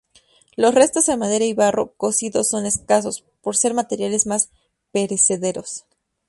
Los restos en madera y barro cocido son escasos, por ser materiales más perecederos.